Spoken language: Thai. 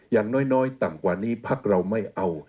อย่างน้อยต่ำกว่านี้พักเราไม่เอา